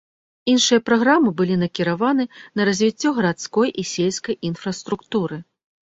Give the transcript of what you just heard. Іншыя праграмы былі накіраваны на развіццё гарадской і сельскай інфраструктуры.